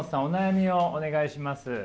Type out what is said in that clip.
お悩みをお願いします。